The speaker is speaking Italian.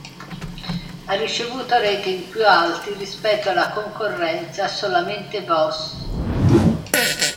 Ha ricevuto rating più alti rispetto alla concorrenza "Solamente vos".